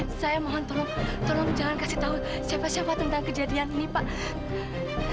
saya mohon tolong jangan kasih tahu siapa siapa tentang kejadian ini pak